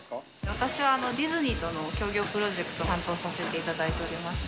私はディズニーとの協業プロジェクト担当させていただいておりまして。